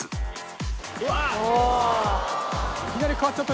うわっ！